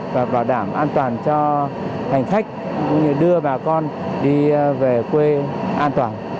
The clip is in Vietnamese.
và bảo đảm an toàn cho hành khách cũng như đưa bà con đi về quê an toàn